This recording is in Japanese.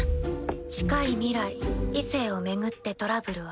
「近い未来異性を巡ってトラブルあり」。